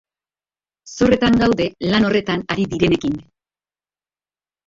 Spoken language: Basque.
Zorretan gaude lan horretan ari direnekin.